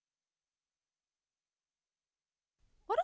あら？